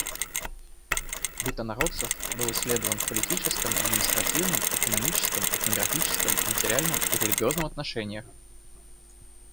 Быт инородцев был исследован в политическом, административном, экономическом, этнографическом, материальном и религиозном отношениях.